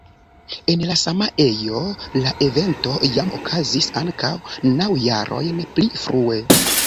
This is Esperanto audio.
En la sama ejo la evento jam okazis ankaŭ naŭ jarojn pli frue.